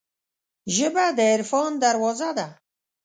ژبه د عرفان دروازه ده